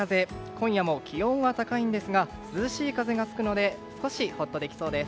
今夜も気温は高いんですが涼しい風が吹くので少しほっとできそうです。